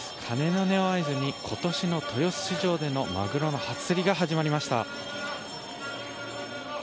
鐘の音を合図に今年の豊洲市場でのマグロの初競りが始まりました。